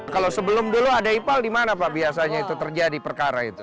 kalau sebelum dulu ada ipal di mana pak biasanya itu terjadi perkara itu